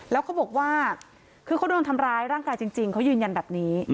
แล้วเขาบอกว่าคือเขาโดนทำร้ายร่างกายจริงเขายืนยันแบบนี้